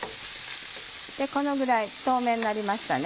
このぐらい透明になりましたね。